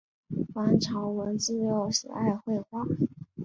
王朝闻自幼喜爱绘画。